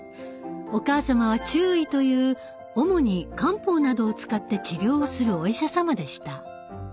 お母様は中医という主に漢方などを使って治療をするお医者様でした。